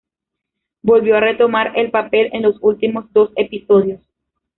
Volvió a retomar el papel en los últimos dos episodios.